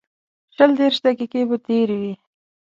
شل دېرش دقیقې به تېرې وې.